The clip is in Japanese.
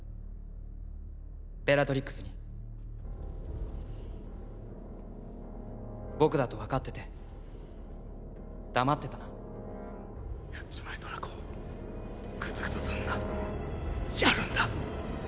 ベラトリックスに僕だと分かってて黙ってたなやっちまえドラコグズグズすんなやるんだ